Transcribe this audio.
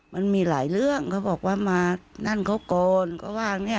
มันมีหลายเรื่องเขาบอกว่ามานั่นเขาก่อนก็ว่าเนี่ย